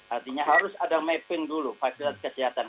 artinya harus ada mapping dulu fasilitas kesehatan